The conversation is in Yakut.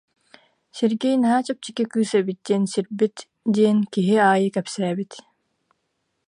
Сергей наһаа чэпчэки кыыс эбит диэн сирбит» диэн киһи аайы кэпсээбит